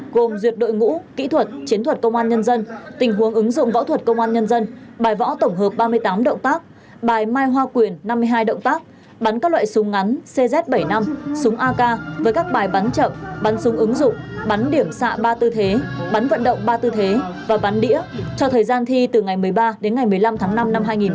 gồm duyệt đội ngũ kỹ thuật chiến thuật công an nhân dân tình huống ứng dụng võ thuật công an nhân dân bài võ tổng hợp ba mươi tám động tác bài mai hoa quyển năm mươi hai động tác bắn các loại súng ngắn cz bảy mươi năm súng ak với các bài bắn chậm bắn súng ứng dụng bắn điểm xạ ba tư thế bắn vận động ba tư thế và bắn đĩa cho thời gian thi từ ngày một mươi ba đến ngày một mươi năm tháng năm năm hai nghìn hai mươi hai